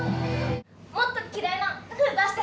もっと嫌いなふう出して。